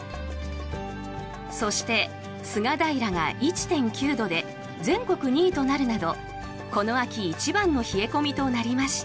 そして、菅平が１．９度で全国２位となるなどこの秋一番の冷え込みとなりました。